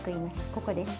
ここです